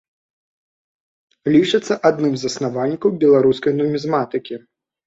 Лічыцца адным з заснавальнікаў беларускай нумізматыкі.